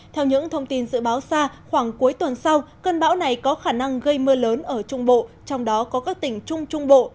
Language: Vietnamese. theo những thông tin dự báo xa khoảng cuối tuần sau cơn bão này có khả năng gây mưa lớn ở trung bộ trong đó có các tỉnh trung trung bộ